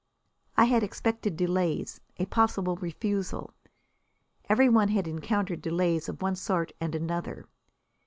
I had expected delays, a possible refusal. Everyone had encountered delays of one sort and another.